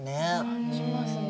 感じますね。